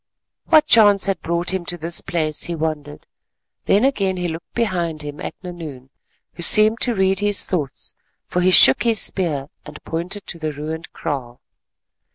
What chance had brought him to this place, he wondered; then again he looked behind him at Nahoon, who seemed to read his thoughts, for he shook his spear and pointed to the ruined kraal.